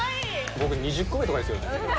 僕２０個上とかですよね。